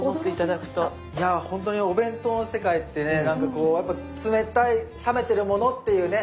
いや本当にお弁当の世界ってねなんかこう冷たい冷めてるものっていうね